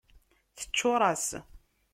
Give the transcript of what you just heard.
Teččuṛ-as.